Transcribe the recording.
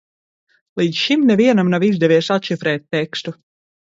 Līdz šim nevienam nav izdevies atšifrēt tekstu.